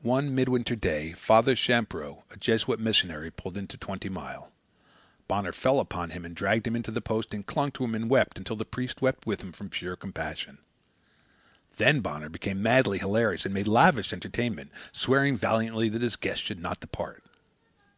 One midwinter day, Father Champreau, a Jesuit missionary, pulled into Twenty Mile. Bonner fell upon him and dragged him into the post, and clung to him and wept, until the priest wept with him from sheer compassion. Then Bonner became madly hilarious and made lavish entertainment, swearing valiantly that his guest should not depart.